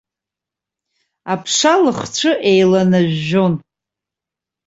Аԥша лыхцәы еиланажәжәон.